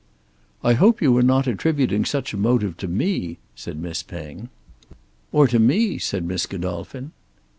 "I hope you are not attributing such a motive to me," said Miss Penge. "Or to me," said Miss Godolphin.